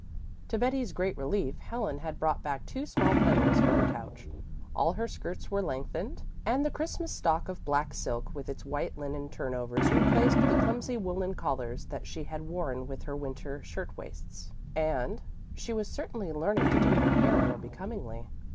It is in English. To Betty's great relief Helen had brought back two small pillows for her couch, all her skirts were lengthened, and the Christmas stock of black silk with its white linen turnovers replaced the clumsy woolen collars that she had worn with her winter shirt waists. And she was certainly learning to do her hair more becomingly.